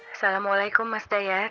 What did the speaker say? assalamualaikum mas dedayat